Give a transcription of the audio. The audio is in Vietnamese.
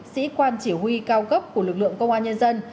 sĩ quan chỉ huy cao cấp của lực lượng công an nhân dân